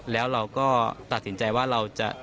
แล้วเราก็ตัดสินใจว่าเราจะ